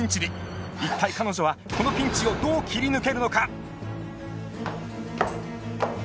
一体彼女はこのピンチをどう切り抜けるのか！